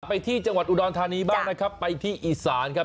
ไปที่จังหวัดอุดรธานีบ้างนะครับไปที่อีสานครับ